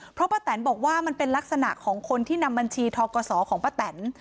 เพราะป้าแตนบอกว่ามันเป็นลักษณะของคนที่นำบัญชีทกศของป้าแตน